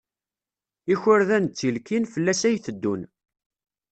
Ikurdan d tilkin, fell-as ay teddun.